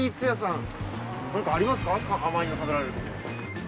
甘いの食べられるとこ。